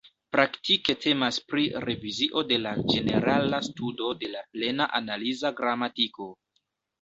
Praktike temas pri revizio de la ĝenerala studo de la Plena Analiza Gramatiko.